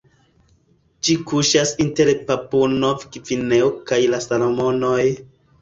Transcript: Ĝi kuŝas inter Papuo-Nov-Gvineo kaj la Salomonoj.